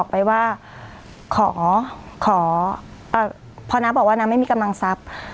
พอเขาบอกว่ามีกำลังทรัพย์